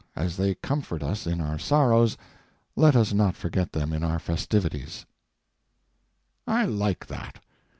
As they comfort us in our sorrows, let us not forget them in our festivities." I like that.